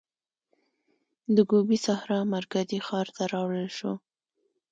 د ګوبي سحرا مرکزي ښار ته راوړل شو.